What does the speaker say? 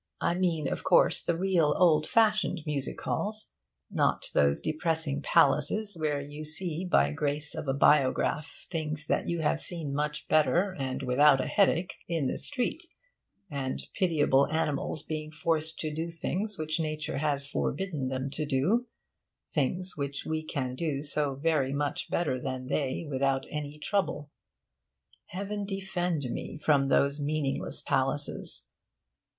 I mean, of course, the real old fashioned music halls, not those depressing palaces where you see by grace of a biograph things that you have seen much better, and without a headache, in the street, and pitiable animals being forced to do things which Nature has forbidden them to do things which we can do so very much better than they, without any trouble. Heaven defend me from those meaningless palaces!